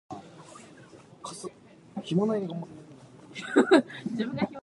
The biggest area is the territory of Our Savior and Transfiguration Monastery.